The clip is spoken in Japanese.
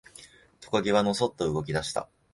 トカゲはのそっと動き出した。